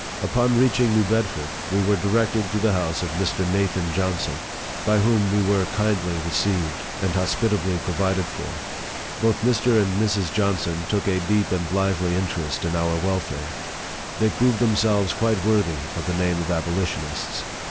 Upon reaching New Bedford, we were directed to the house of Mr. Nathan Johnson, by whom we were kindly received, and hospitably provided for. Both Mr. and Mrs. Johnson took a deep and lively in terest in our welfare. They proved themselves quite worthy of the name of abolitionists.